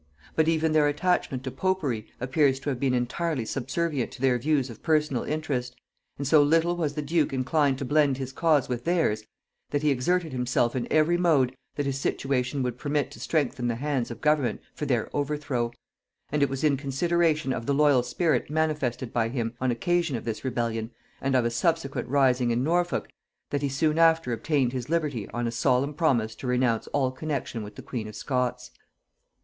But even their attachment to popery appears to have been entirely subservient to their views of personal interest; and so little was the duke inclined to blend his cause with theirs, that he exerted himself in every mode that his situation would permit to strengthen the hands of government for their overthrow; and it was in consideration of the loyal spirit manifested by him on occasion of this rebellion, and of a subsequent rising in Norfolk, that he soon after obtained his liberty on a solemn promise to renounce all connexion with the queen of Scots.